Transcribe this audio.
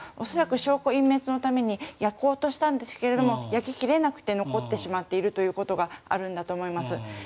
恐らく証拠隠滅のために焼こうとしたんですが焼き切れなくて残ってしまっているということがあるんだと思います。